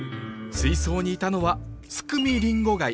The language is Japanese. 水槽にいたのはスクミリンゴガイ。